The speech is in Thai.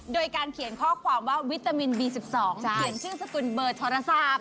โดยการเขียนข้อความว่าวิตามินบี๑๒เขียนชื่อสกุลเบอร์โทรศัพท์